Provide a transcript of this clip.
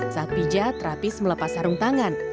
saat pijat rapis melepas sarung tangan